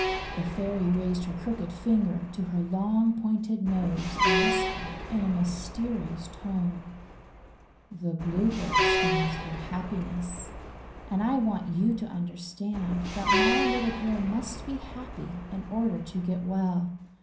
The Fairy raised her crooked finger to her long, pointed nose, and whispered, in a mysterious tone: "The Blue Bird stands for happiness; and I want you to understand that my little girl must be happy in order to get well.